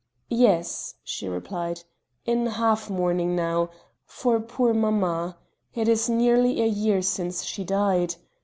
"Yes," she replied, "in half mourning now for poor mamma; it is nearly a year since she died...."